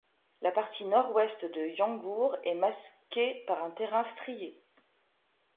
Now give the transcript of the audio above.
La partie nord-ouest de Yangoor est masquée par un terrain strié.